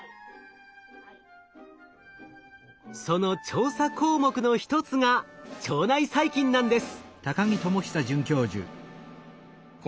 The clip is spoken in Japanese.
その調査項目の一つが腸内細菌なんです。